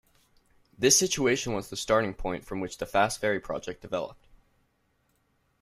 This situation was the starting point from which the fast ferry project developed.